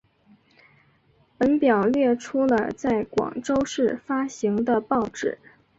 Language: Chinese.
本表列出了在广州市发行的报纸。